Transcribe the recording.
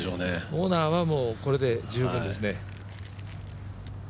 オナーはもうこれで十分ですね。